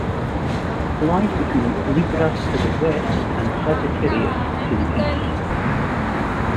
It lies between Libra to the west and Sagittarius to the east.